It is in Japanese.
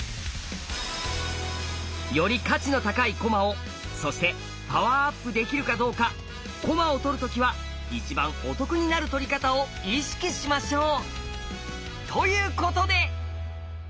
より価値の高い駒をそしてパワーアップできるかどうか駒を取る時は一番お得になる取り方を意識しましょう！ということで。